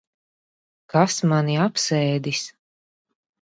Kas mani apsēdis?